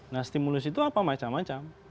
nah stimulus itu apa macam macam